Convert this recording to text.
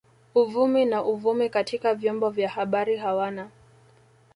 Uvumi na uvumi katika vyombo vya habari hawana